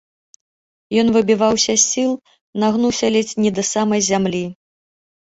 Ён выбіваўся з сіл, нагнуўся ледзь не да самай зямлі.